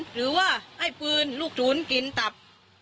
หรือว่าให้ปืนลูกศูนย์กินตับ